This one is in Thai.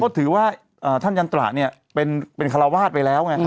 เขาก็ถือว่าอ่าท่านยันตราเนี่ยเป็นเป็นคาราวาสไปแล้วไงครับ